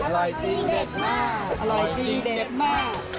อร่อยจริงเด็ดมากอร่อยจริงเด็ดมาก